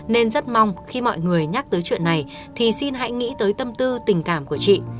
nên rất mong khi mọi người nhắc tới chuyện này thì xin hãy nghĩ tới tâm tư tình cảm của chị